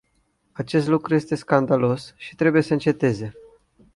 Acest lucru este scandalos și trebuie să înceteze.